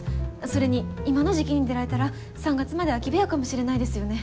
それに今の時期に出られたら３月まで空き部屋かもしれないですよね。